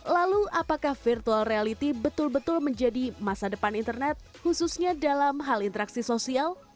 lalu apakah virtual reality betul betul menjadi masa depan internet khususnya dalam hal interaksi sosial